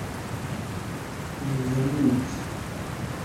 Jebden nnefs.